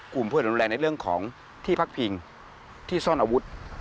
กลุ่มภูเขตอุณแรงในเรื่องของที่พักพิงที่ซ่อนอาวุธ